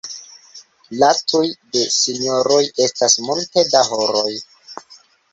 La "tuj" de sinjoroj estas multe da horoj.